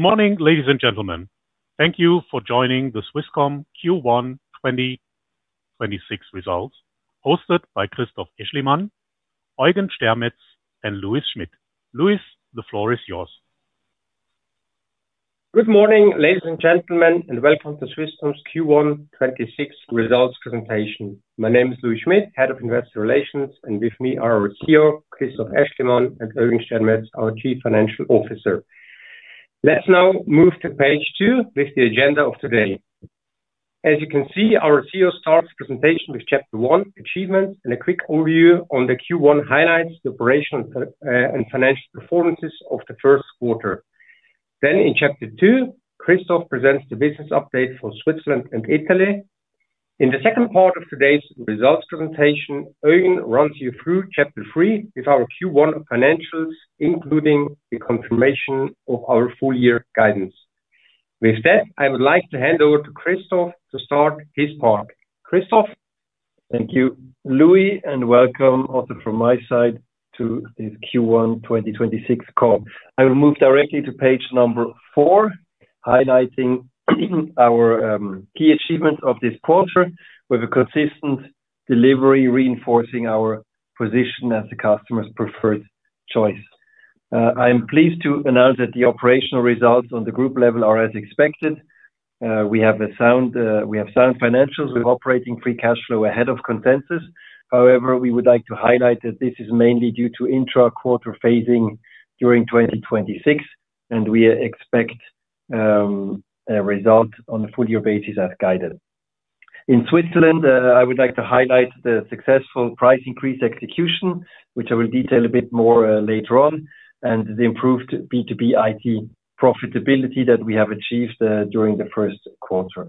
Morning, ladies and gentlemen. Thank you for joining the Swisscom Q1 2026 results, hosted by Christoph Aeschlimann, Eugen Stermetz, and Louis Schmid. Louis, the floor is yours. Good morning, ladies and gentlemen, and welcome to Swisscom's Q1 2026 results presentation. My name is Louis Schmid, Head of Investor Relations, and with me are our CEO, Christoph Aeschlimann, and Eugen Stermetz, our Chief Financial Officer. Let's now move to page two with the agenda of today. As you can see, our CEO starts the presentation with chapter one: achievements and a quick overview on the Q1 highlights, the operational and financial performances of the first quarter. In chapter two, Christoph presents the business update for Switzerland and Italy. In the second part of today's results presentation, Eugen runs you through chapter three with our Q1 financials, including the confirmation of our full-year guidance. With that, I would like to hand over to Christoph to start his part. Christoph. Thank you, Louis, and welcome also from my side to this Q1 2026 call. I will move directly to page four, highlighting our key achievements of this quarter with a consistent delivery, reinforcing our position as the customer's preferred choice. I am pleased to announce that the operational results on the group level are as expected. We have sound financials. We have operating free cash flow ahead of consensus. We would like to highlight that this is mainly due to intra-quarter phasing during 2026, and we expect a result on a full-year basis as guided. In Switzerland, I would like to highlight the successful price increase execution, which I will detail a bit more later on, and the improved B2B IT profitability that we have achieved during the first quarter.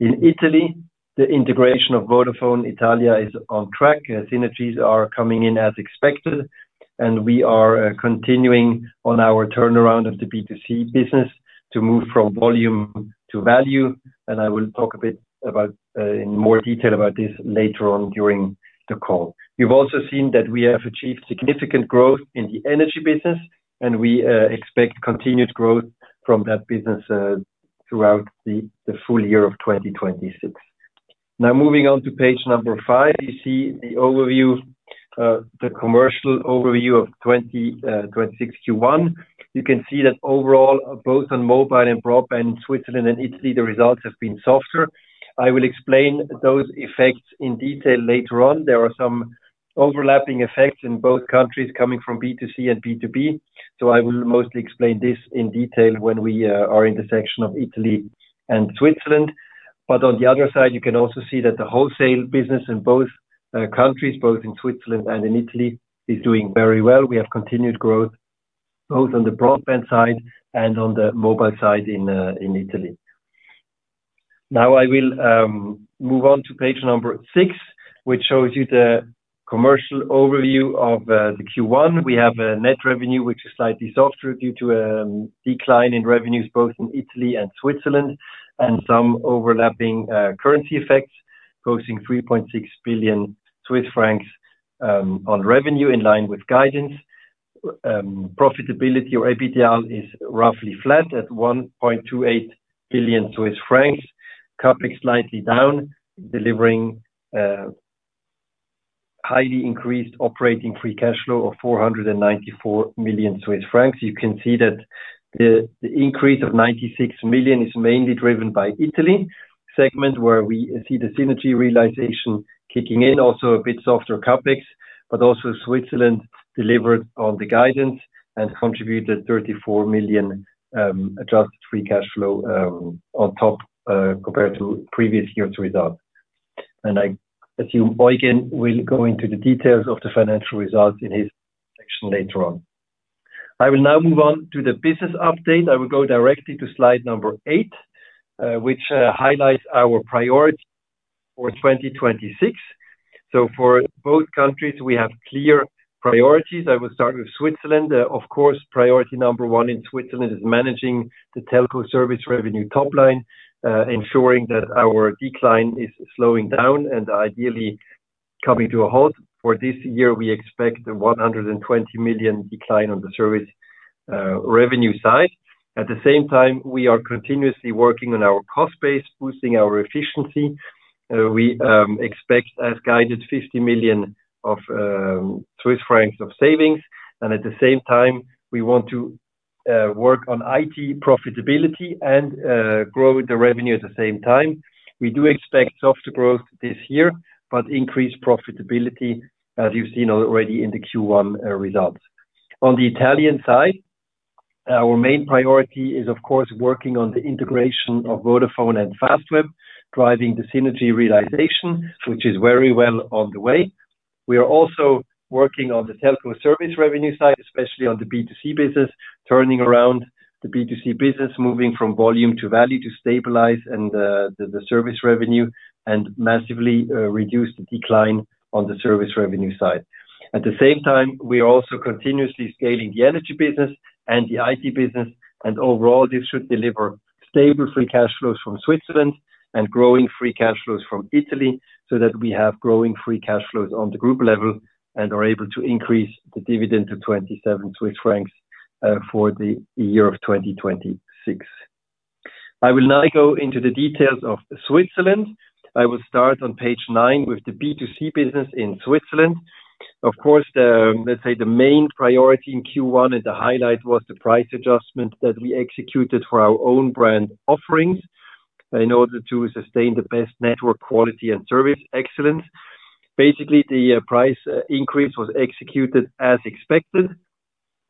In Italy, the integration of Vodafone Italia is on track. Synergies are coming in as expected, and we are continuing on our turnaround of the B2C business to move from volume to value. I will talk a bit about in more detail about this later on during the call. You've also seen that we have achieved significant growth in the energy business, and we expect continued growth from that business throughout the full- year of 2026. Moving on to page number five, you see the overview, the commercial overview of 2026 Q1. You can see that overall, both on mobile and broadband in Switzerland and Italy, the results have been softer. I will explain those effects in detail later on. There are some overlapping effects in both countries coming from B2C and B2B, I will mostly explain this in detail when we are in the section of Italy and Switzerland. On the other side, you can also see that the wholesale business in both countries, both in Switzerland and in Italy, is doing very well. We have continued growth both on the broadband side and on the mobile side in Italy. I will move on to page number six, which shows you the commercial overview of the Q1. We have a net revenue, which is slightly softer due to decline in revenues both in Italy and Switzerland and some overlapping currency effects, posting 3.6 billion Swiss francs on revenue in line with guidance. Profitability or EBITDA is roughly flat at 1.28 billion Swiss francs. CapEx slightly down, delivering highly increased operating free cash flow of 494 million Swiss francs. You can see that the increase of 96 million is mainly driven by Italy segment, where we see the synergy realization kicking in. Also a bit softer CapEx, Switzerland delivered on the guidance and contributed 34 million adjusted free cash flow on top compared to previous years' result. I assume Eugen will go into the details of the financial results in his section later on. I will now move on to the business update. I will go directly to slide number eight, which highlights our priority for 2026. For both countries, we have clear priorities. I will start with Switzerland. Of course, priority number one in Switzerland is managing the telco service revenue top line, ensuring that our decline is slowing down and ideally coming to a halt. For this year, we expect 120 million decline on the service revenue side. At the same time, we are continuously working on our cost base, boosting our efficiency. We expect as guided 50 million Swiss francs of savings. At the same time, we want to work on IT profitability and grow the revenue at the same time. We do expect softer growth this year, but increased profitability, as you've seen already in the Q1 results. On the Italian side, our main priority is, of course, working on the integration of Vodafone and Fastweb, driving the synergy realization, which is very well on the way. We are also working on the telco service revenue side, especially on the B2C business, turning around the B2C business, moving from volume to value to stabilize and the service revenue and massively reduce the decline on the service revenue side. At the same time, we are also continuously scaling the energy business and the IT business, and overall, this should deliver stable free cash flows from Switzerland and growing free cash flows from Italy so that we have growing free cash flows on the group level and are able to increase the dividend to 27 Swiss francs for the year of 2026. I will now go into the details of Switzerland. I will start on page nine with the B2C business in Switzerland. Of course, the, let's say, the main priority in Q1 and the highlight was the price adjustment that we executed for our own brand offerings in order to sustain the best network quality and service excellence. Basically, the price increase was executed as expected.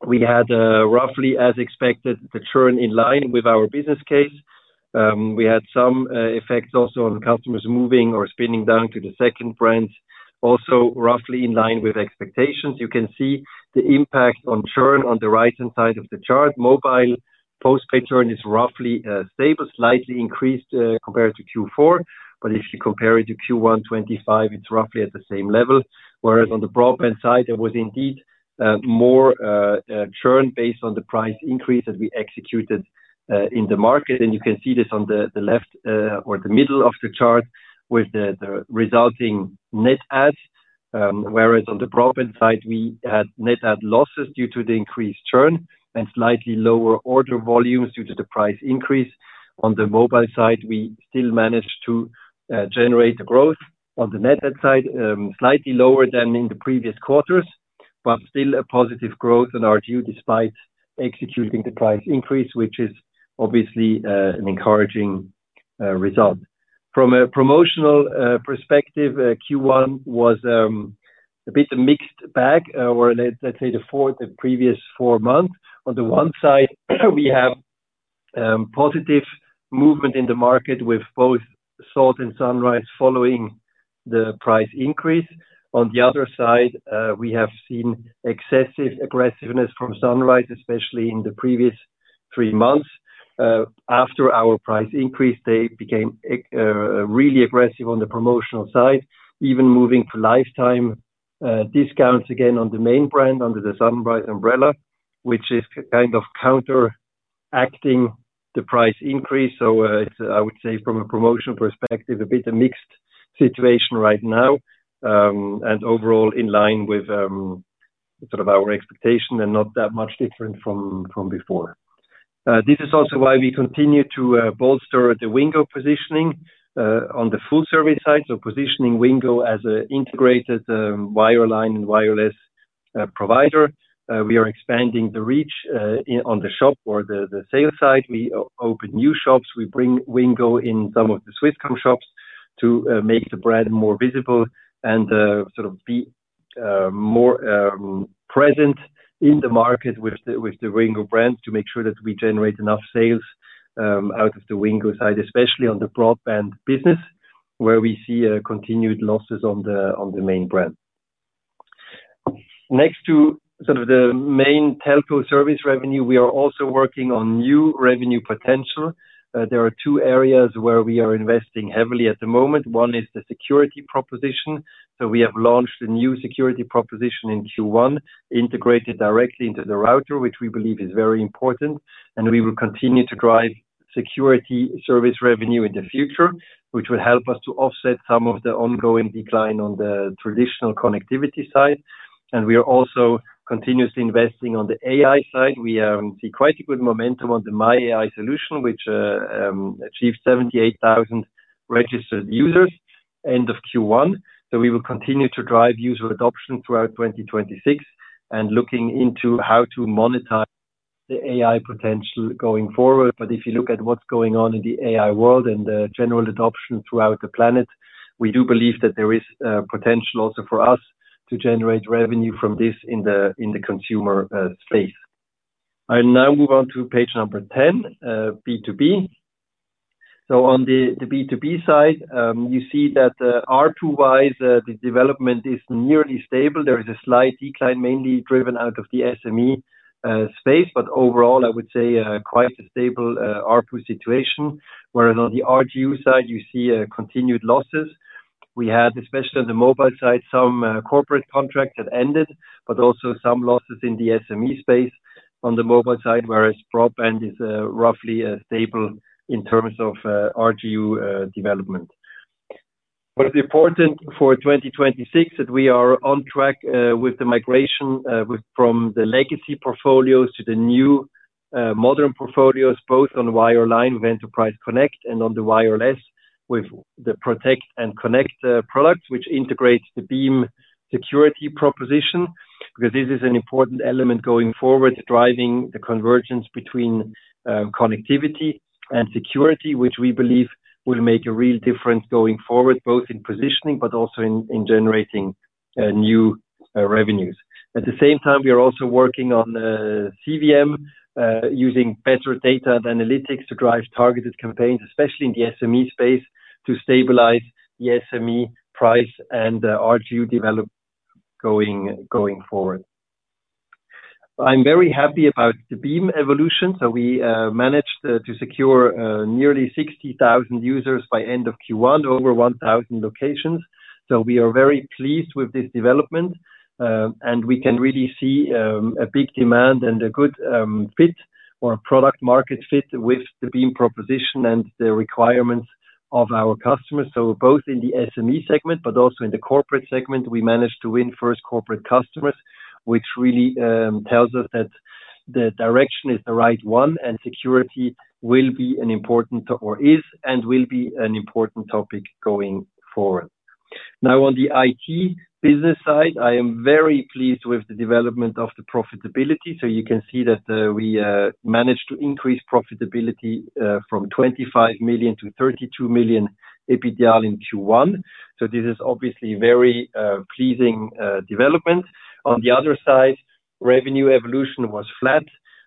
We had roughly as expected, the churn in line with our business case. We had some effects also on customers moving or spinning down to the second brand, also roughly in line with expectations. You can see the impact on churn on the right-hand side of the chart. Mobile postpaid churn is roughly stable, slightly increased compared to Q4, but if you compare it to Q1 2025, it's roughly at the same level. Whereas on the broadband side, there was indeed more churn based on the price increase that we executed in the market. You can see this on the left or the middle of the chart with the resulting net adds. Whereas on the broadband side, we had net add losses due to the increased churn and slightly lower order volumes due to the price increase. On the mobile side, we still managed to generate growth. On the net add side, slightly lower than in the previous quarters, but still a positive growth on RGU despite executing the price increase, which is obviously an encouraging result. From a promotional perspective, Q1 was a bit of mixed bag or let's say the previous four months. On the one side, we have positive movement in the market with both Salt and Sunrise following the price increase. On the other side, we have seen excessive aggressiveness from Sunrise, especially in the previous three months. After our price increase, they became really aggressive on the promotional side, even moving to lifetime discounts again on the main brand under the Sunrise umbrella, which is kind of counteracting the price increase. I would say from a promotional perspective, a bit of mixed situation right now, overall in line with sort of our expectation and not that much different from before. This is also why we continue to bolster the Wingo positioning on the full service side, so positioning Wingo as an integrated wireline and wireless provider. We are expanding the reach on the shop or the sales side. We open new shops. We bring Wingo in some of the Swisscom shops to make the brand more visible and sort of be more present in the market with the Wingo brand to make sure that we generate enough sales out of the Wingo side, especially on the broadband business, where we see continued losses on the main brand. Next to sort of the main telco service revenue, we are also working on new revenue potential. There are two areas where we are investing heavily at the moment. 1 is the security proposition. We have launched a new security proposition in Q1, integrated directly into the router, which we believe is very important, and we will continue to drive security service revenue in the future, which will help us to offset some of the ongoing decline on the traditional connectivity side. We are also continuously investing on the AI side. We see quite a good momentum on the myAI solution, which achieved 78,000 registered users end of Q1. We will continue to drive user adoption throughout 2026 and looking into how to monetize the AI potential going forward. If you look at what's going on in the AI world and the general adoption throughout the planet, we do believe that there is potential also for us to generate revenue from this in the, in the consumer space. I now move on to page number 10, B2B. On the B2B side, you see that ARPU-wise, the development is nearly stable. There is a slight decline, mainly driven out of the SME space, but overall, I would say, quite a stable ARPU situation. Whereas on the RGU side, you see continued losses. We had, especially on the mobile side, some corporate contracts had ended, but also some losses in the SME space on the mobile side, whereas broadband is roughly stable in terms of RGU development. What is important for 2026 that we are on track with the migration from the legacy portfolios to the new modern portfolios, both on wireline with Enterprise Connect and on the wireless with the Protect and Connect products, which integrates the beem security proposition. This is an important element going forward, driving the convergence between connectivity and security, which we believe will make a real difference going forward, both in positioning, but also in generating new revenues. At the same time, we are also working on CVM, using better data and analytics to drive targeted campaigns, especially in the SME space, to stabilize the SME price and RGU develop going forward. I'm very happy about the beem evolution. We managed to secure nearly 60,000 users by end of Q1, over 1,000 locations. We are very pleased with this development, and we can really see a big demand and a good fit or product market fit with the beem proposition and the requirements of our customers. Both in the SME segment, but also in the corporate segment, we managed to win first corporate customers, which really tells us that the direction is the right one and security will be an important or is and will be an important topic going forward. On the IT business side, I am very pleased with the development of the profitability. You can see that we managed to increase profitability from 25 million to 32 million EBITDA in Q1. This is obviously very pleasing development. On the other side, revenue evolution was flat.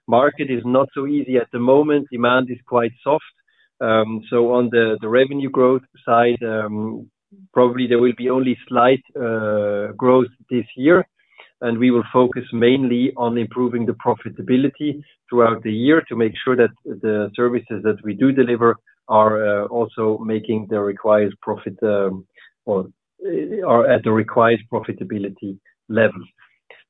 Market is not so easy at the moment. Demand is quite soft. On the revenue growth side, probably there will be only slight growth this year, and we will focus mainly on improving the profitability throughout the year to make sure that the services that we do deliver are also making the required profit or are at the required profitability level.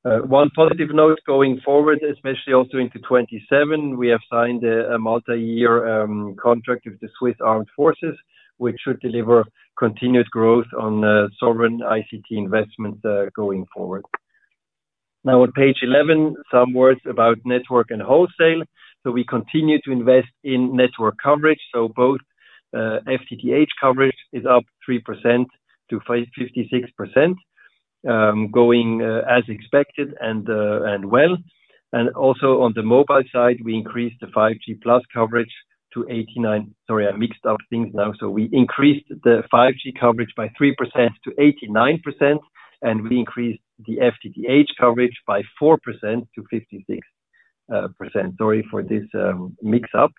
One positive note going forward, especially also into 2027, we have signed a multi-year contract with the Swiss Armed Forces, which should deliver continued growth on sovereign ICT investments going forward. Now on page 11, some words about network and wholesale. We continue to invest in network coverage. Both FTTH coverage is up 3% to 56%, going as expected and well. Also on the mobile side, we increased the 5G+ coverage to 89%. Sorry, I mixed up things now. We increased the 5G coverage by 3% to 89%, and we increased the FTTH coverage by 4% to 56%. Sorry for this mix-up.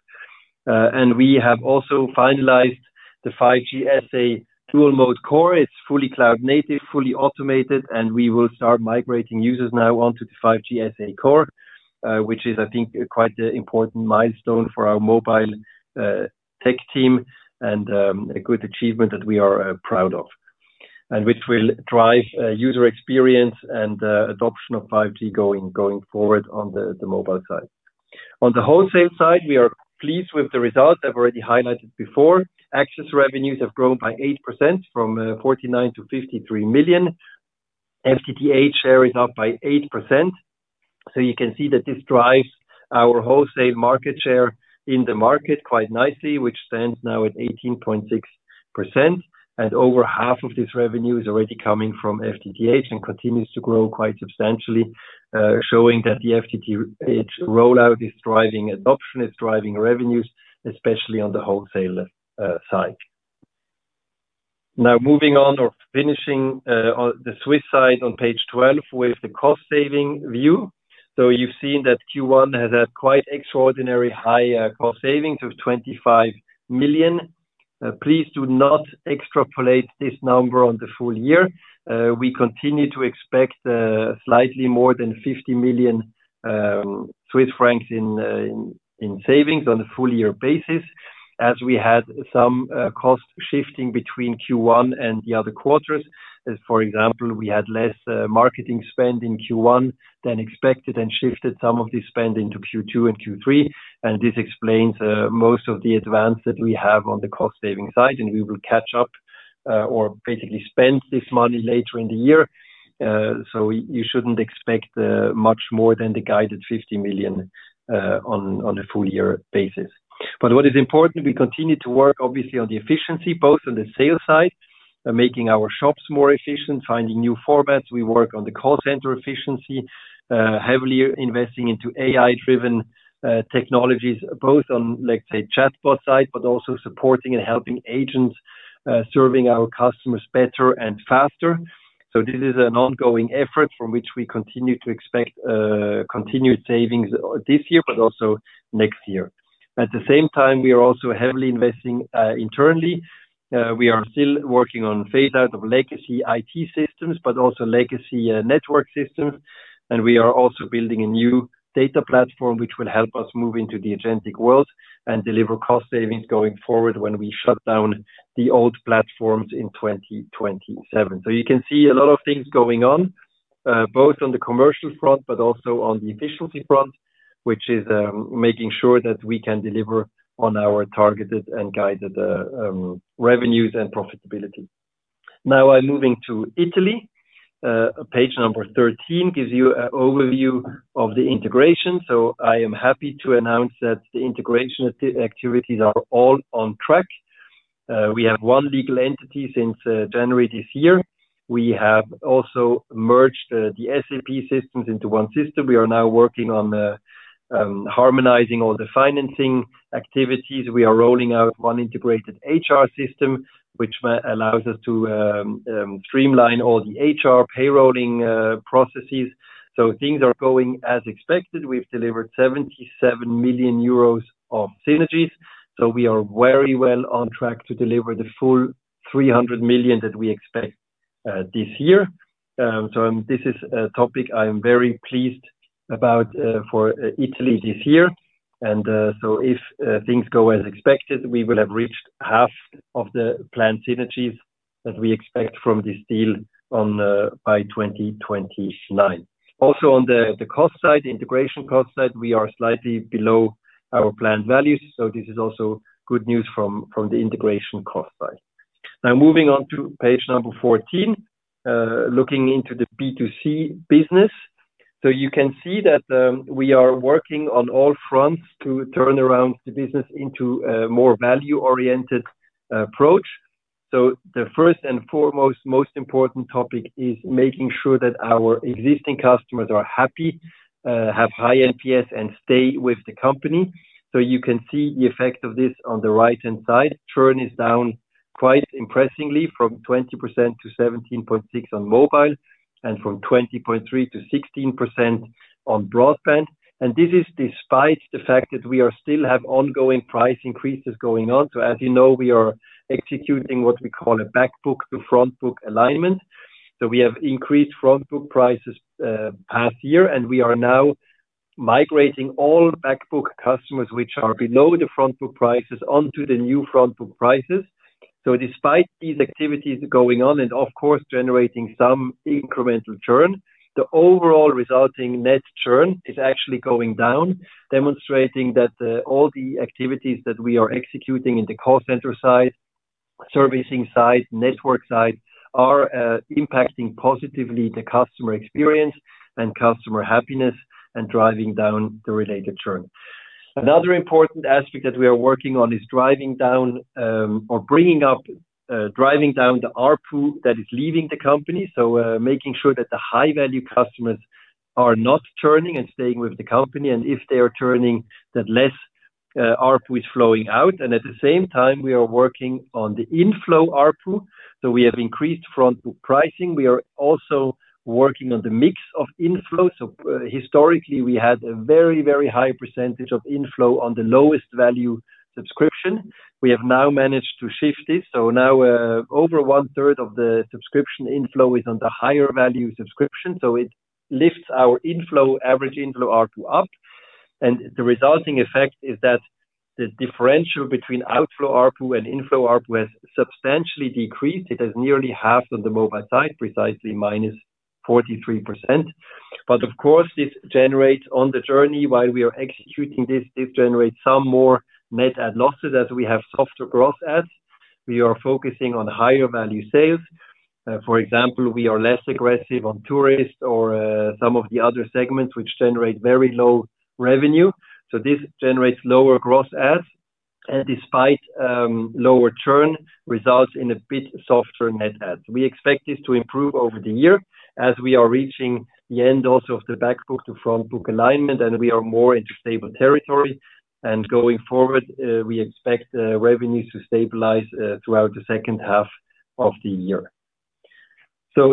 We have also finalized the 5G SA dual-mode core. It's fully cloud native, fully automated, and we will start migrating users now onto the 5G SA core, which is, I think, quite a important milestone for our mobile tech team and a good achievement that we are proud of, and which will drive user experience and adoption of 5G going forward on the mobile side. On the wholesale side, we are pleased with the results I've already highlighted before. Access revenues have grown by 8% from 49 million-53 million. FTTH share is up by 8%. You can see that this drives our wholesale market share in the market quite nicely, which stands now at 18.6%. Over half of this revenue is already coming from FTTH and continues to grow quite substantially, showing that the FTTH rollout is driving adoption, it's driving revenues, especially on the wholesale side. Moving on or finishing on the Swiss side on page 12 with the cost-saving view. You've seen that Q1 has had quite extraordinary high cost savings of 25 million. Please do not extrapolate this number on the full- year. We continue to expect slightly more than 50 million Swiss francs in savings on a full- year basis as we had some cost shifting between Q1 and the other quarters. For example, we had less marketing spend in Q1 than expected and shifted some of the spend into Q2 and Q3. This explains most of the advance that we have on the cost-saving side, and we will catch up or basically spend this money later in the year. You shouldn't expect much more than the guided 50 million on a full- year basis. What is important, we continue to work obviously on the efficiency, both on the sales side, making our shops more efficient, finding new formats. We work on the call center efficiency, heavily investing into AI-driven technologies, both on, let's say, chatbot side, but also supporting and helping agents serving our customers better and faster. This is an ongoing effort from which we continue to expect continued savings this year but also next year. At the same time, we are also heavily investing internally. We are still working on phase out of legacy IT systems but also legacy network systems. We are also building a new data platform which will help us move into the agentic world and deliver cost savings going forward when we shut down the old platforms in 2027. You can see a lot of things going on, both on the commercial front but also on the efficiency front, which is making sure that we can deliver on our targeted and guided revenues and profitability. Now I'm moving to Italy. Page number 13 gives you a overview of the integration. I am happy to announce that the integration activities are all on track. We have one legal entity since January this year. We have also merged the SAP systems into one system. We are now working on harmonizing all the financing activities. We are rolling out one integrated HR system, which allows us to streamline all the HR payrolling processes. Things are going as expected. We've delivered 77 million euros of synergies. We are very well on track to deliver the full 300 million that we expect this year. This is a topic I am very pleased about for Italy this year. If things go as expected, we will have reached half of the planned synergies that we expect from this deal on by 2029. On the cost side, integration cost side, we are slightly below our planned values. This is also good news from the integration cost side. Moving on to page number 14, looking into the B2C business. You can see that we are working on all fronts to turn around the business into a more value-oriented approach. The first and foremost most important topic is making sure that our existing customers are happy, have high NPS and stay with the company. You can see the effect of this on the right-hand side. Churn is down quite impressively from 20% to 17.6% on mobile and from 20.3% to 16% on broadband. This is despite the fact that we are still have ongoing price increases going on. As you know, we are executing what we call a back book to front book alignment. We have increased front book prices, past year, and we are now migrating all back book customers which are below the front book prices onto the new front book prices. Despite these activities going on and of course, generating some incremental churn, the overall resulting net churn is actually going down, demonstrating that all the activities that we are executing in the call center side, servicing side, network side are impacting positively the customer experience and customer happiness and driving down the related churn. Another important aspect that we are working on is driving down, or bringing up, driving down the ARPU that is leaving the company. Making sure that the high-value customers are not churning and staying with the company, and if they are churning, that less ARPU is flowing out. At the same time, we are working on the inflow ARPU, we have increased front book pricing. Historically, we had a very, very high percentage of inflow on the lowest value subscription. We have now managed to shift this. Now, over 1/3 of the subscription inflow is on the higher value subscription. It lifts our inflow, average inflow ARPU up. The resulting effect is that the differential between outflow ARPU and inflow ARPU has substantially decreased. It is nearly half on the mobile side, precisely minus 43%. Of course, this generates on the journey while we are executing this generates some more net add losses as we have softer gross adds. We are focusing on higher value sales. For example, we are less aggressive on tourists or some of the other segments which generate very low revenue. This generates lower gross adds and despite lower churn results in a bit softer net adds. We expect this to improve over the year as we are reaching the end also of the back book to front book alignment, and we are more into stable territory. Going forward, we expect revenues to stabilize throughout the second half of the year.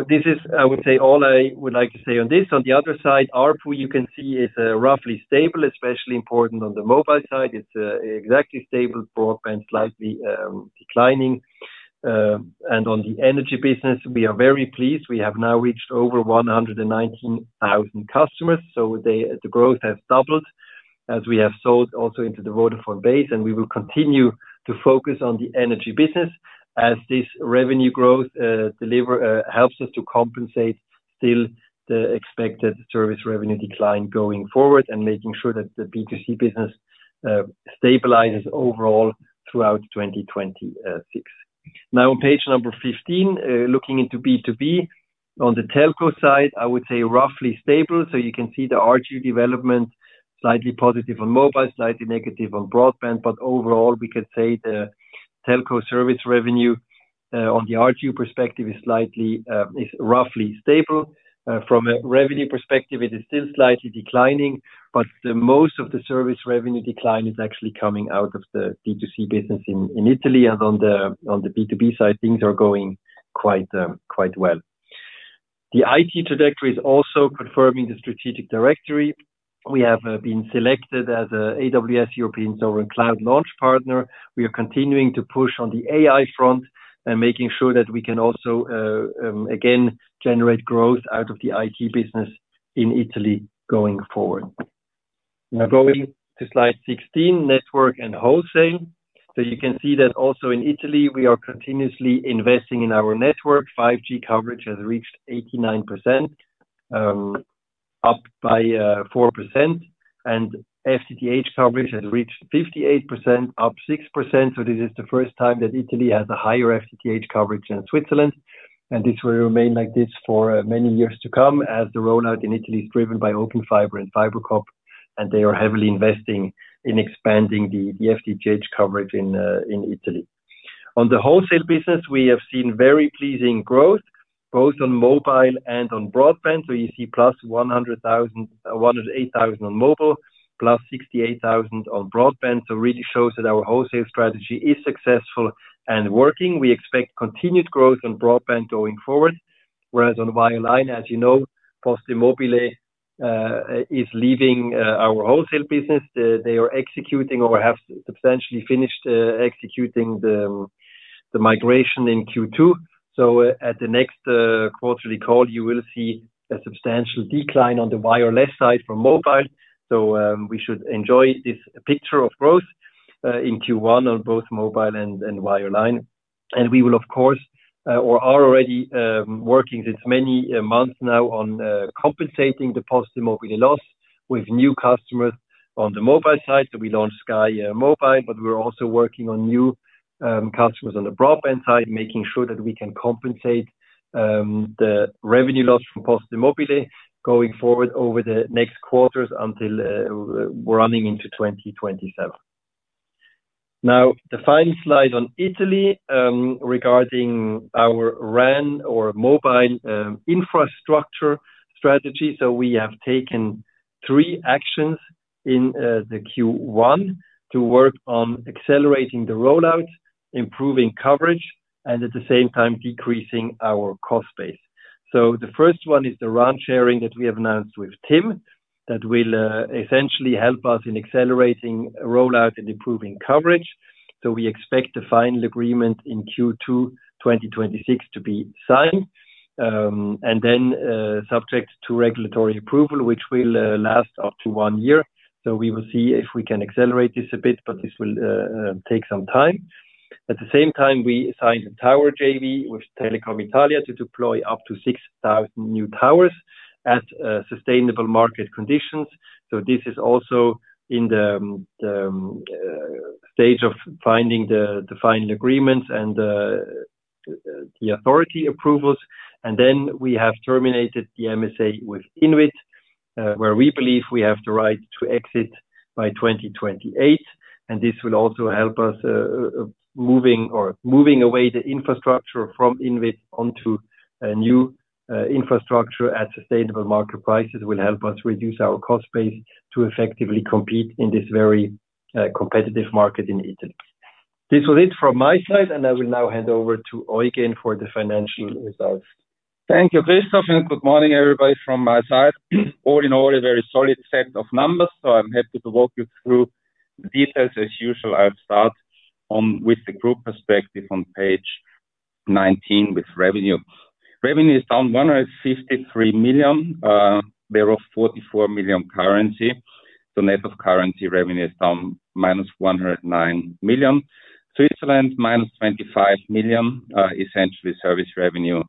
This is, I would say, all I would like to say on this. On the other side, ARPU, you can see, is roughly stable, especially important on the mobile side. It's exactly stable, broadband, slightly declining. On the energy business, we are very pleased. We have now reached over 119,000 customers. The growth has doubled as we have sold also into the Vodafone base. We will continue to focus on the energy business as this revenue growth helps us to compensate still the expected service revenue decline going forward and making sure that the B2C business stabilizes overall throughout 2026. On page number 15, looking into B2B. On the telco side, I would say roughly stable. You can see the ARPU development slightly positive on mobile, slightly negative on broadband. Overall, we could say the telco service revenue on the ARPU perspective is roughly stable. From a revenue perspective, it is still slightly declining, the most of the service revenue decline is actually coming out of the B2C business in Italy and on the B2B side, things are going quite well. The ICT trajectory is also confirming the strategic trajectory. We have been selected as a AWS European Sovereign Cloud Launch Partner. We are continuing to push on the AI front and making sure that we can also again, generate growth out of the ICT business in Italy going forward. Going to slide 16, network and wholesale. You can see that also in Italy, we are continuously investing in our network. 5G coverage has reached 89%, up by 4%, and FTTH coverage has reached 58%, up 6%. This is the first time that Italy has a higher FTTH coverage than Switzerland. This will remain like this for many years to come as the rollout in Italy is driven by Open Fiber and FiberCop, and they are heavily investing in expanding the FTTH coverage in Italy. On the wholesale business, we have seen very pleasing growth both on mobile and on broadband. You see plus 108,000 on mobile, plus 68,000 on broadband. Really shows that our wholesale strategy is successful and working. We expect continued growth on broadband going forward, whereas on wireline, as you know, Poste Mobile is leaving our wholesale business. They are executing or have substantially finished executing the migration in Q2. At the next quarterly call, you will see a substantial decline on the wireless side from mobile. We should enjoy this picture of growth in Q1 on both mobile and wireline. We will of course, or are already working since many months now on compensating the Poste Mobile loss with new customers on the mobile side. We launched Sky Mobile, but we're also working on new customers on the broadband side, making sure that we can compensate the revenue loss from Poste Mobile going forward over the next quarters until running into 2027. The final slide on Italy regarding our RAN or mobile infrastructure strategy. We have taken three actions in the Q1 to work on accelerating the rollout, improving coverage, and at the same time decreasing our cost base. The first one is the RAN sharing that we have announced with TIM that will essentially help us in accelerating rollout and improving coverage. We expect the final agreement in Q2 2026 to be signed, and then subject to regulatory approval, which will last up to one year. We will see if we can accelerate this a bit, but this will take some time. At the same time, we signed a tower JV with Telecom Italia to deploy up to 6,000 new towers at sustainable market conditions. This is also in the stage of finding the final agreements and the authority approvals. We have terminated the MSA with Inwit, where we believe we have the right to exit by 2028, and this will also help us moving away the infrastructure from Inwit onto a new infrastructure at sustainable market prices will help us reduce our cost base to effectively compete in this very competitive market in Italy. This was it from my side, and I will now hand over to Eugen for the financial results. Thank you, Christoph, good morning everybody from my side. All in all, a very solid set of numbers, I'm happy to walk you through the details. As usual, I'll start on with the group perspective on page 19 with revenue. Revenue is down 153 million, thereof 44 million currency. Net of currency revenue is down minus 109 million. Switzerland, minus 25 million, essentially service revenue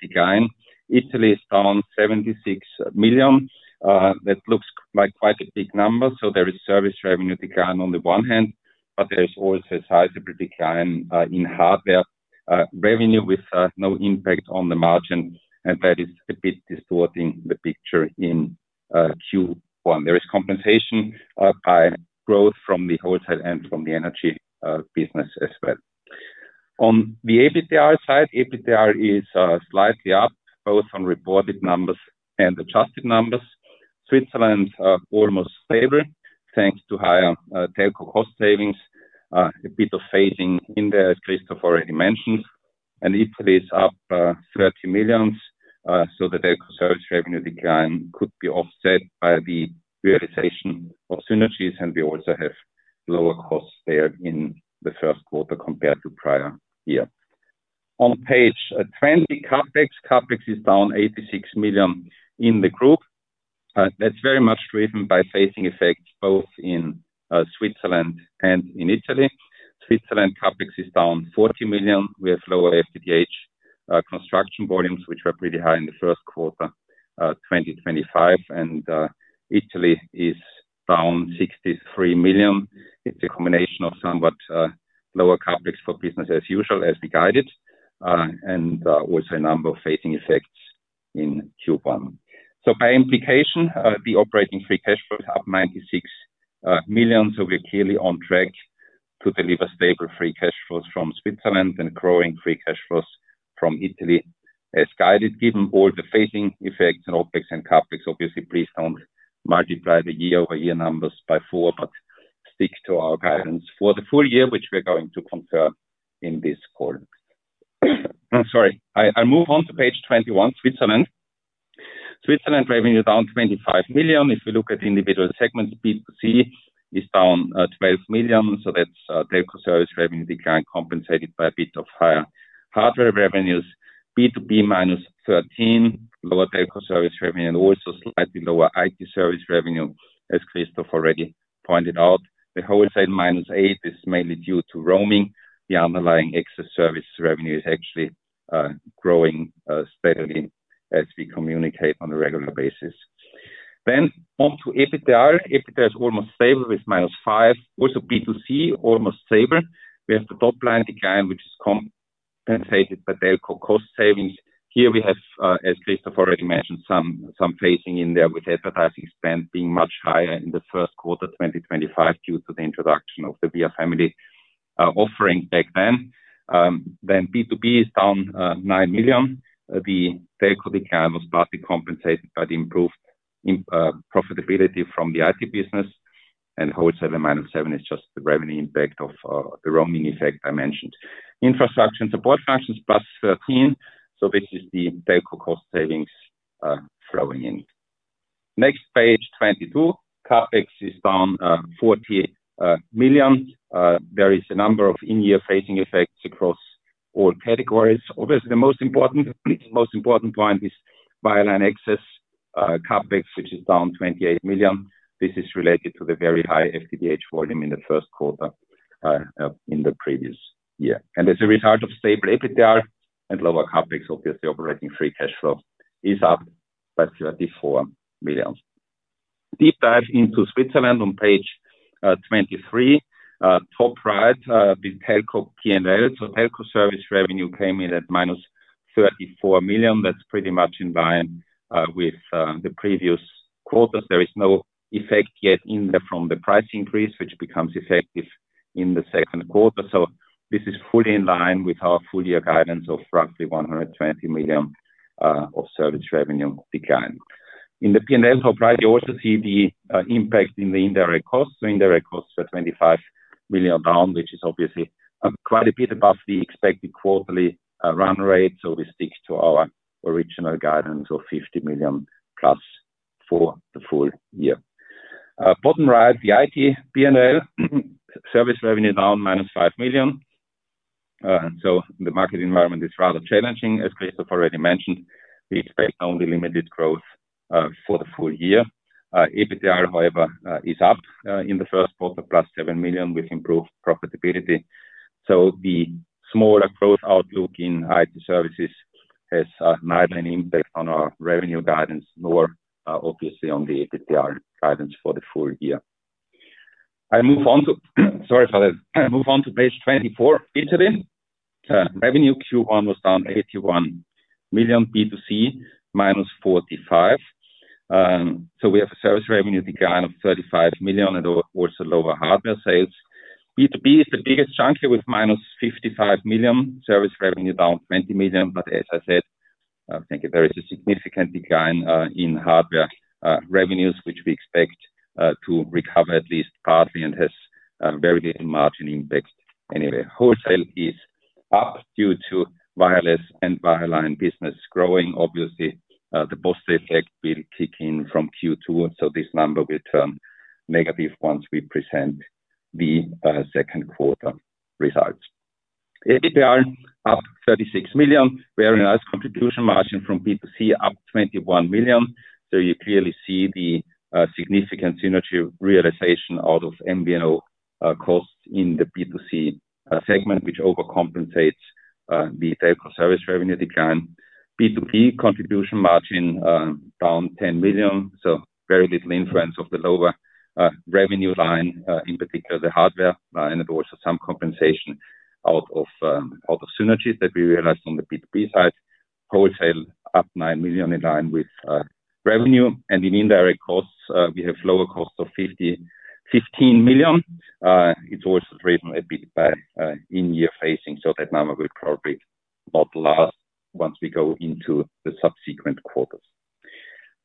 decline. Italy is down 76 million. That looks like quite a big number. There is service revenue decline on the one hand, but there's also a sizable decline in hardware revenue with no impact on the margin, and that is a bit distorting the picture in Q1. There is compensation by growth from the wholesale and from the energy business as well. On the EBITDA side, EBITDA is slightly up, both on reported numbers and adjusted numbers. Switzerland almost stable thanks to higher telco cost savings. A bit of phasing in there, as Christoph already mentioned. Italy is up 30 million, so the telco service revenue decline could be offset by the realization of synergies. We also have lower costs there in the first quarter compared to prior year. On page 20, CapEx. CapEx is down 86 million in the group. That's very much driven by phasing effects both in Switzerland and in Italy. Switzerland CapEx is down 40 million. We have lower FTTH construction volumes, which were pretty high in the first quarter 2025. Italy is down 63 million. It's a combination of somewhat lower CapEx for business as usual as we guided, and also a number of phasing effects in Q1. By implication, the operating free cash flow is up 96 million, so we're clearly on track to deliver stable free cash flows from Switzerland and growing free cash flows from Italy as guided. Given all the phasing effects on OpEx and CapEx, obviously, please don't multiply the year-over-year numbers by four, but stick to our guidance for the full- year, which we're going to confirm in this call. Sorry. I move on to page 21, Switzerland. Switzerland revenue down 25 million. If we look at individual segments, B2C is down 12 million. That's telco service revenue decline compensated by a bit of higher hardware revenues. B2B, minus 13 million, lower telco service revenue, and also slightly lower IT service revenue, as Christoph already pointed out. The wholesale, minus 8 million, is mainly due to roaming. The underlying excess service revenue is actually growing steadily as we communicate on a regular basis. On to EBITDA. EBITDA is almost stable with minus 5 million. B2C, almost stable. We have the top line decline, which is compensated by telco cost savings. Here we have, as Christoph already mentioned, some phasing in there with advertising spend being much higher in the first quarter 2025 due to the introduction of the We are Family offering back then. B2B is down 9 million. The telco decline was partly compensated by the improved profitability from the IT business. Wholesale at minus 7 is just the revenue impact of the roaming effect I mentioned. Infrastructure and support functions, plus 13. This is the telco cost savings flowing in. Next page, 22. CapEx is down 40 million. There is a number of in-year phasing effects across all categories. Obviously, the most important point is wireline access CapEx, which is down 28 million. This is related to the very high FDH volume in the first quarter in the previous year. As a result of stable EBITDA and lower CapEx, obviously, operating free cash flow is up by 34 million. Deep dive into Switzerland on page 23. Top right, the telco P&L. Telco service revenue came in at minus 34 million. That's pretty much in line with the previous quarters. There is no effect yet in there from the price increase, which becomes effective in the second quarter. This is fully in line with our full- year guidance of roughly 120 million of service revenue decline. In the P&L top right, you also see the impact in the indirect costs. Indirect costs are 25 million down, which is obviously quite a bit above the expected quarterly run rate. We stick to our original guidance of 50 million plus for the full -year. Bottom right, the IT P&L. Service revenue down -five million. The market environment is rather challenging. As Christoph already mentioned, we expect only limited growth for the full -year. EBITDA, however, is up in the first quarter, +seven million with improved profitability. The smaller growth outlook in IT services has neither an impact on our revenue guidance, nor obviously on the EBITDA guidance for the full- year. I move on to page 24, Italy. Revenue Q1 was down 81 million. B2C, minus 45. We have a service revenue decline of 35 million and also lower hardware sales. B2B is the biggest chunk here with minus 55 million. Service revenue down 20 million. As I said, thank you. There is a significant decline in hardware revenues, which we expect to recover at least partly and has very little margin impact anyway. Wholesale is up due to wireless and wireline business growing. Obviously, the post effect will kick in from Q2. This number will turn negative once we present the second quarter results. EBITDA up 36 million. Very nice contribution margin from B2C, up 21 million. You clearly see the significant synergy realization out of MVNO costs in the B2C segment, which overcompensates the telco service revenue decline. B2B contribution margin, down 10 million, very little influence of the lower revenue line, in particular the hardware, and also some compensation out of synergies that we realized on the B2B side. Wholesale up nine million in line with revenue. In indirect costs, we have lower costs of 15 million. It's also driven a bit by in-year phasing, so that number will probably not last once we go into the subsequent quarters.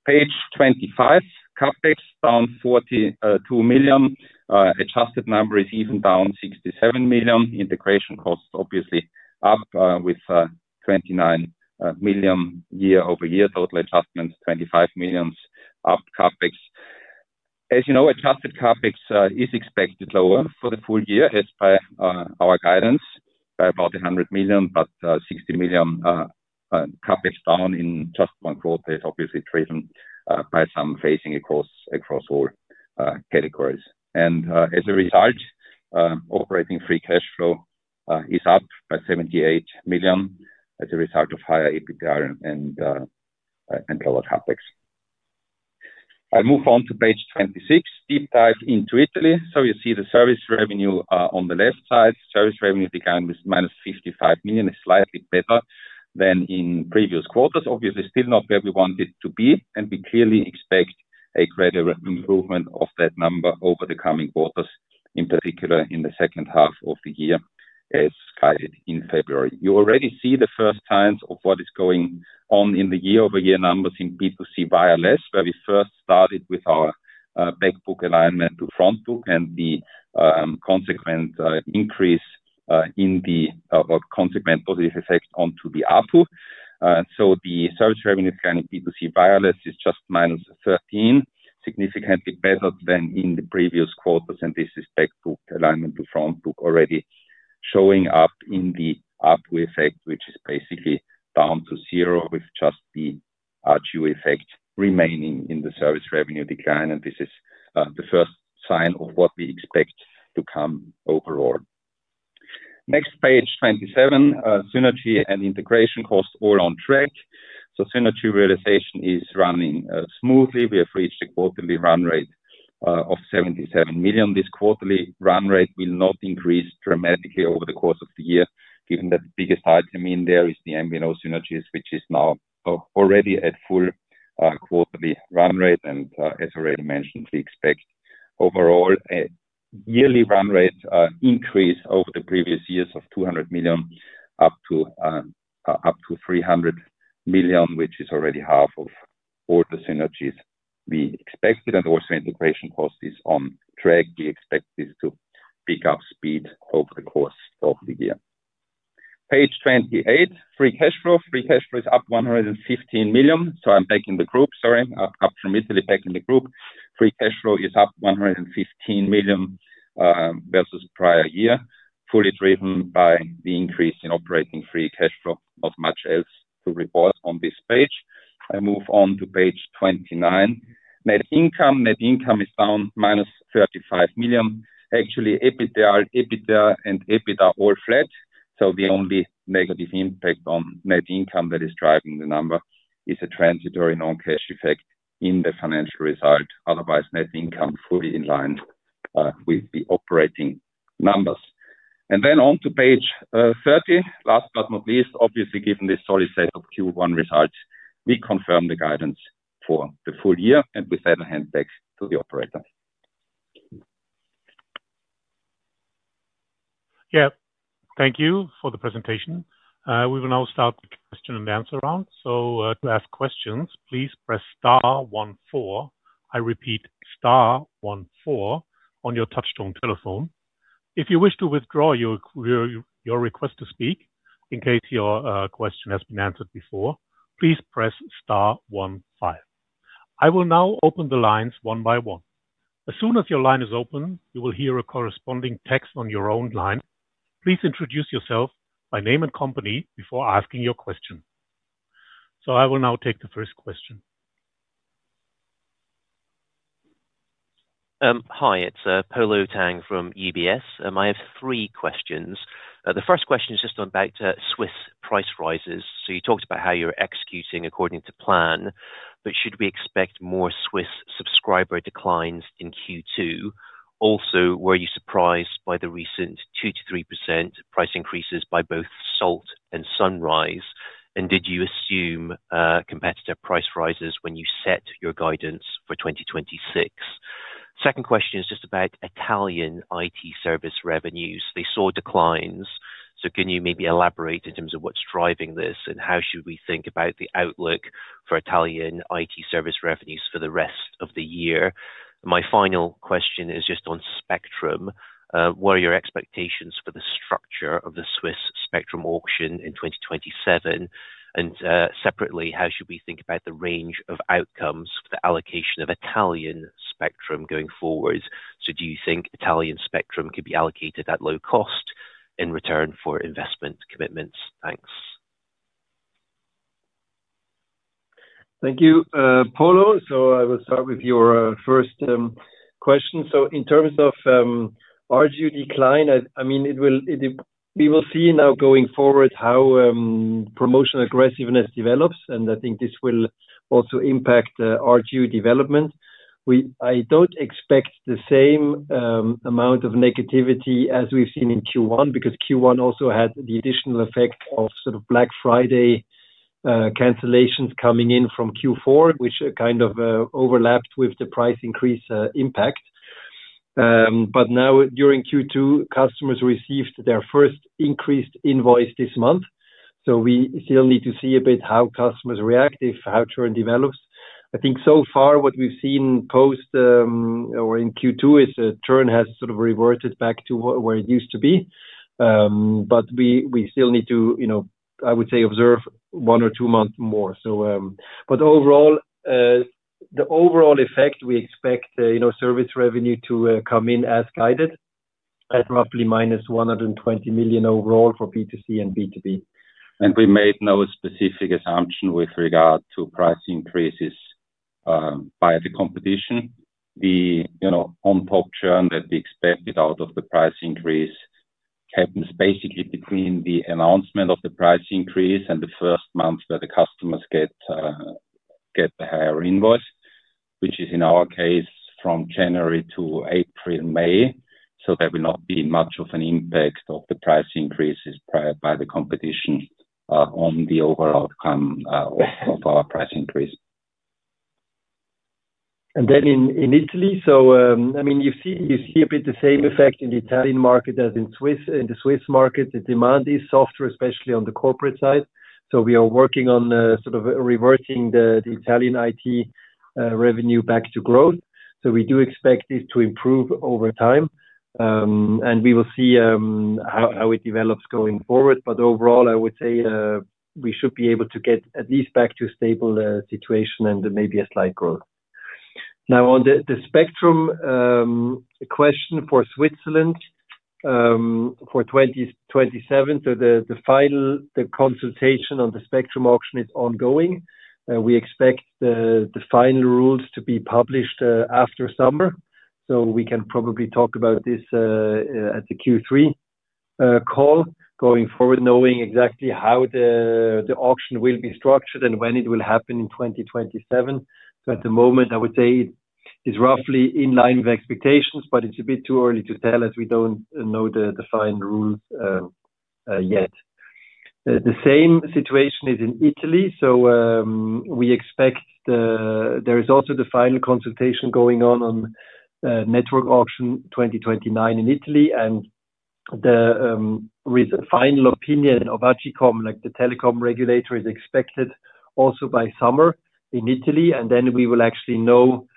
Page 25. CapEx down 42 million. Adjusted number is even down 67 million. Integration costs obviously up with 29 million year-over-year. Total adjustments, 25 million up CapEx. As you know, adjusted CapEx is expected lower for the full- year as per our guidance by about 100 million, but 60 million CapEx down in just one quarter is obviously driven by some phasing across all categories. As a result, operating free cash flow is up by 78 million as a result of higher EBITDA and lower CapEx. I move on to page 26. Deep dive into Italy. You see the service revenue on the left side. Service revenue decline is minus 55 million, is slightly better than in previous quarters. Obviously, still not where we want it to be, and we clearly expect a greater improvement of that number over the coming quarters, in particular in the 2nd half of the year, as guided in February. You already see the first signs of what is going on in the year-over-year numbers in B2C wireless, where we first started with our back book alignment to front book and the consequent increase or consequent of this effect onto the ARPU. The service revenue decline in B2C wireless is just minus 13, significantly better than in the previous quarters. This is back book alignment to front book already showing up in the ARPU effect, which is basically down to zero with just the RGU effect remaining in the service revenue decline. This is the first sign of what we expect to come overall. Next, page 27. Synergy and integration costs all on track. Synergy realization is running smoothly. We have reached a quarterly run rate of 77 million. This quarterly run rate will not increase dramatically over the course of the year, given that the biggest item in there is the MVNO synergies, which is now already at full quarterly run rate. As already mentioned, we expect overall a yearly run rate increase over the previous years of 200 million-300 million, which is already half of all the synergies we expected. Integration cost is on track. We expect this to pick up speed over the course of the year. Page 28, free cash flow. Free cash flow is up 115 million. I'm back in the group. Sorry. Up from Italy, back in the group. Free cash flow is up 115 million versus prior year, fully driven by the increase in operating free cash flow. Not much else to report on this page. I move on to page 29. Net income. Net income is down -35 million. Actually, EBITDA and EBIT are all flat. The only negative impact on net income that is driving the number is a transitory non-cash effect in the financial result. Otherwise, net income fully in line with the operating numbers. On to page 30. Last but not least, obviously, given this solid set of Q1 results, we confirm the guidance for the full- year. With that I hand back to the operator. Yeah. Thank you for the presentation. We will now start the question and answer round. To ask questions, please press star one four. I repeat star one four on your touchtone telephone. If you wish to withdraw your request to speak in case your question has been answered before, please press star one five. I will now open the lines one by one. As soon as your line is open, you will hear a corresponding text on your own line. Please introduce yourself by name and company before asking your question. I will now take the first question. Hi, it's Polo Tang from UBS. I have three questions. The first question is just on back to Swiss price rises. You talked about how you're executing according to plan, but should we expect more Swiss subscriber declines in Q2? Also, were you surprised by the recent 2%-3% price increases by both Salt and Sunrise? Did you assume competitor price rises when you set your guidance for 2026? Second question is just about Italian IT service revenues. They saw declines. Can you maybe elaborate in terms of what's driving this, and how should we think about the outlook for Italian IT service revenues for the rest of the year? My final question is just on spectrum. What are your expectations for the structure of the Swiss spectrum auction in 2027? Separately, how should we think about the range of outcomes for the allocation of Italian spectrum going forward? Do you think Italian spectrum could be allocated at low cost in return for investment commitments? Thanks. Thank you, Polo. I will start with your first question. In terms of RGU decline, I mean, we will see now going forward how promotional aggressiveness develops, and I think this will also impact RGU development. I don't expect the same amount of negativity as we've seen in Q1, because Q1 also had the additional effect of sort of Black Friday cancellations coming in from Q4, which kind of overlapped with the price increase impact. Now during Q2, customers received their first increased invoice this month, so we still need to see a bit how customers react if, how churn develops. I think so far, what we've seen post, or in Q2 is the churn has sort of reverted back to where it used to be. We still need to, you know, I would say observe one or two months more. Overall, the overall effect, we expect, you know, service revenue to come in as guided at roughly -120 million overall for B2C and B2B. We made no specific assumption with regard to price increases by the competition. The, you know, on-top churn that we expected out of the price increase happens basically between the announcement of the price increase and the first month where the customers get the higher invoice, which is in our case, from January to April, May. There will not be much of an impact of the price increases by the competition on the overall outcome of our price increase. In Italy, you see a bit the same effect in the Italian market as in the Swiss market. The demand is softer, especially on the corporate side. We are working on sort of reverting the Italian IT revenue back to growth. We do expect this to improve over time. We will see how it develops going forward. Overall, I would say we should be able to get at least back to a stable situation and maybe a slight growth. On the spectrum question for Switzerland for 2027. The consultation on the spectrum auction is ongoing. We expect the final rules to be published after summer. We can probably talk about this at the Q3 call going forward, knowing exactly how the auction will be structured and when it will happen in 2027. At the moment, I would say it is roughly in line with expectations, but it's a bit too early to tell as we don't know the final rules yet. The same situation is in Italy. There is also the final consultation going on on network auction 2029 in Italy. The, with final opinion of AGCOM, like the telecom regulator, is expected also by summer in Italy. Then we will actually know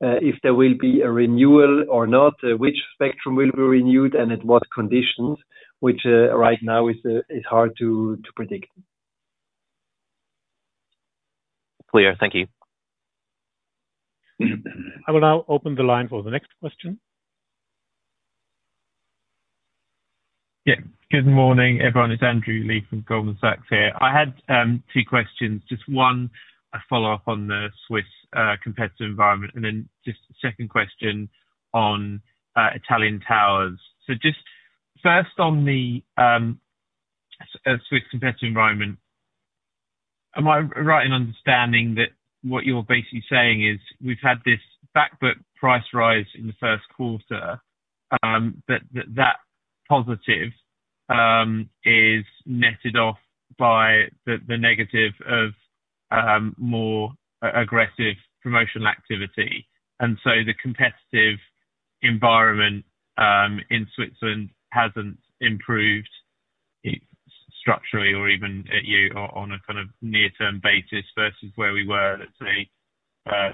if there will be a renewal or not, which spectrum will be renewed and at what conditions, which right now is hard to predict. Clear. Thank you. I will now open the line for the next question. Good morning, everyone. It's Andrew Lee from Goldman Sachs here. I had two questions. Just one, a follow-up on the Swiss competitive environment, and then just a second question on Italian towers. Just first on the Swiss competitive environment. Am I right in understanding that what you're basically saying is we've had this back book price rise in the first quarter, but that positive is netted off by the negative of more aggressive promotional activity? The competitive environment in Switzerland hasn't improved structurally or even actually on a kind of near-term basis versus where we were, let's say,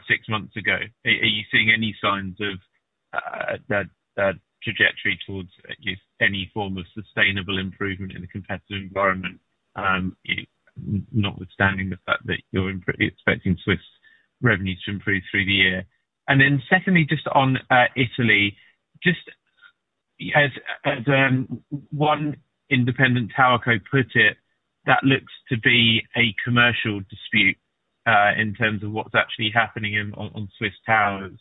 six months ago. Are you seeing any signs of that trajectory towards at least any form of sustainable improvement in the competitive environment, notwithstanding the fact that you're expecting Swiss revenues to improve through the year? Secondly, just on Italy, just as one independent tower co put it, that looks to be a commercial dispute in terms of what's actually happening on Swiss towers.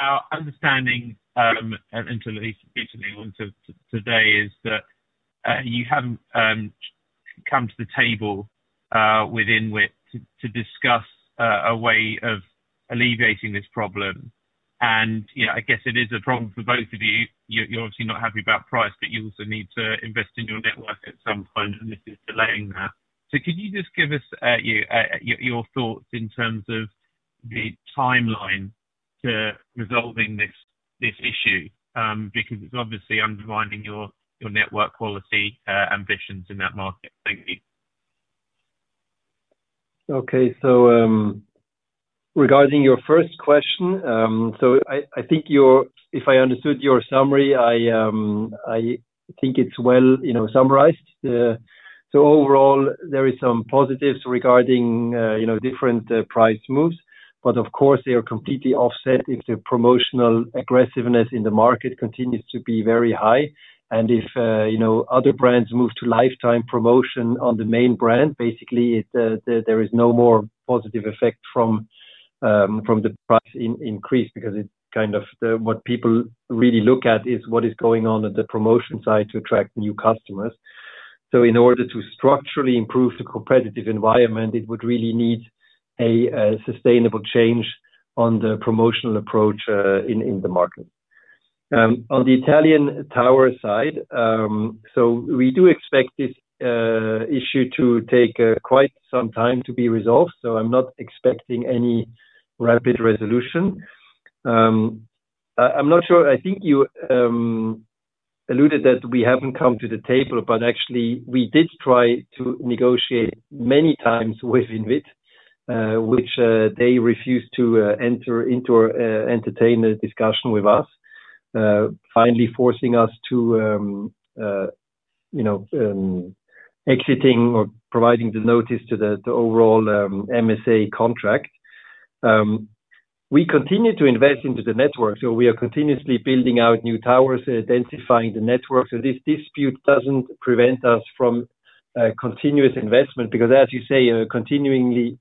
Our understanding, until at least recently until today is that you haven't come to the table with Inwit to discuss a way of alleviating this problem. You know, I guess it is a problem for both of you. You're obviously not happy about price, you also need to invest in your network at some point, this is delaying that. Could you just give us your thoughts in terms of the timeline to resolving this issue? Because it's obviously undermining your network quality ambitions in that market. Thank you. Okay. Regarding your first question, I think your-- If I understood your summary, I think it's well, you know, summarized. Overall, there is some positives regarding, you know, different, price moves, but of course, they are completely offset if the promotional aggressiveness in the market continues to be very high. If, you know, other brands move to lifetime promotion on the main brand, basically it, there is no more positive effect from the price increase because it kind of what people really look at is what is going on at the promotion side to attract new customers. In order to structurally improve the competitive environment, it would really need a sustainable change on the promotional approach in the market. On the Italian tower side, we do expect this issue to take quite some time to be resolved, I'm not expecting any rapid resolution. I'm not sure. I think you alluded that we haven't come to the table, actually we did try to negotiate many times with Inwit, which they refused to enter into or entertain a discussion with us. Finally forcing us to, you know, exiting or providing the notice to the overall MSA contract. We continue to invest into the network, we are continuously building out new towers, densifying the network. This dispute doesn't prevent us from continuous investment because as you say, continuously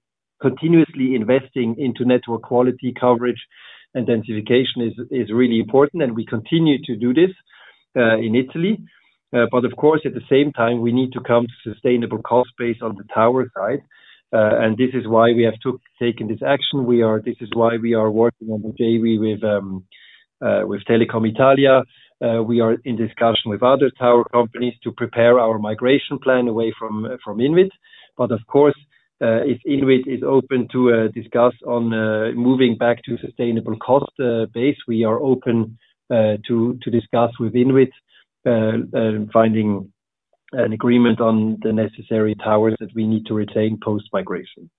investing into network quality coverage densification is really important, and we continue to do this in Italy. Of course, at the same time, we need to come to sustainable cost base on the tower side. And this is why we have to taken this action. This is why we are working on the JV with Telecom Italia. We are in discussion with other tower companies to prepare our migration plan away from Inwit. Of course, if Inwit is open to discuss on moving back to sustainable cost base, we are open to discuss with Inwit finding an agreement on the necessary towers that we need to retain post-migration.